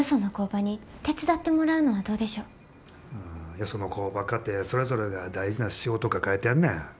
よその工場かてそれぞれが大事な仕事抱えてんねん。